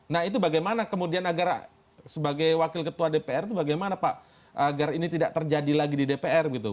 nah itu bagaimana kemudian agar sebagai wakil ketua dpr itu bagaimana pak agar ini tidak terjadi lagi di dpr gitu